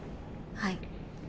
はい。